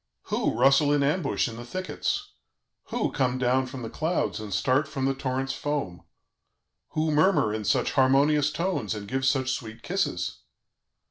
"Who rustle in ambush in the thickets? Who come down from the clouds and start from the torrent's foam? Who murmur in such harmonious tones and give such sweet kisses?